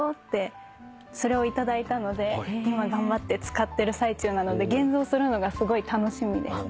それを頂いたので今頑張って使ってる最中なので現像するのがすごい楽しみです。